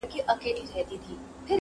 کنې پاته یې له ډلي د سیلانو.